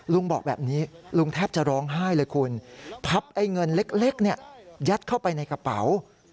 ลุงบอกแบบนี้ลุงแทบจะร้องไห้เลยคุณพับไอ้เงินเล็กยัดเข้าไปในกระเป๋า